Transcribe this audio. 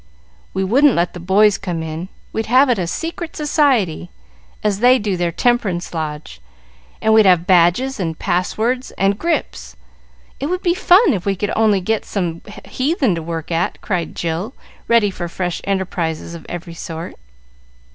"We wouldn't let the boys come in. We'd have it a secret society, as they do their temperance lodge, and we'd have badges and pass words and grips. It would be fun if we can only get some heathen to work at!" cried Jill, ready for fresh enterprises of every sort.